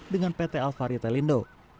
dengan pt alfarita lindo